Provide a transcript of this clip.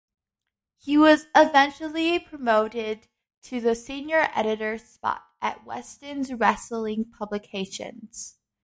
He was eventually promoted to the senior editor spot at Weston's wrestling publications.